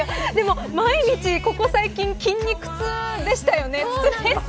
毎日、ここ最近筋肉痛でしたよね。